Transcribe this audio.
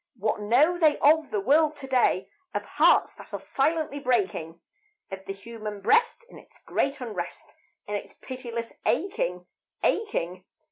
What know they of the world to day, Of hearts that are silently breaking; Of the human breast, and its great unrest, And its pitiless aching, aching?